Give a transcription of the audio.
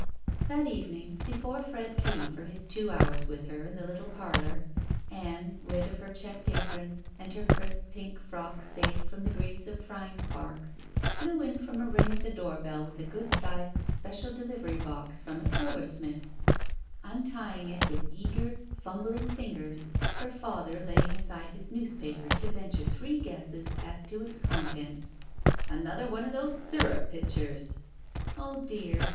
That evening, before Fred came for his two hours with her in the little parlor, Ann, rid of her checked apron and her crisp pink frock saved from the grease of iryiag sparks, flew in from a ring at the doorbell with a good sized special delivery box from ^ silversmith, imtying it with eager, fumbling 9U GUILTY fingers, her father laying aside his newspaper to venture three guesses as to its contents. Another one of those S3rrup pitchers." *'0h dear!"